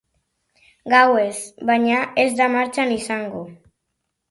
Gauez, baina, ez da martxan izango.